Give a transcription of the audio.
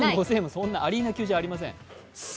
そんなアリーナ級じゃございません。